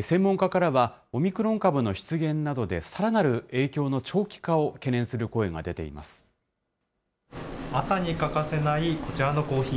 専門家からは、オミクロン株の出現などで、さらなる影響の長期化朝に欠かせないこちらのコーヒー。